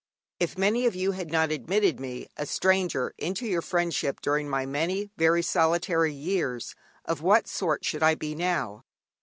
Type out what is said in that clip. If many of you had not admitted me, a stranger, into your friendship during my many very solitary years, of what sort should I be now?